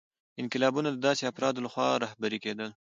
انقلابونه د داسې افرادو لخوا رهبري کېدل.